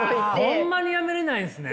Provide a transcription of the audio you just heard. ホンマにやめれないんですね。